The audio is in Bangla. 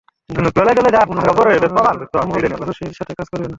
অনুযা রাও আমল যোশির সাথে কাজ করবে না।